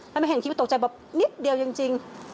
แล้วมันเห็นที่ตกใจแบบนิดเดียวจริง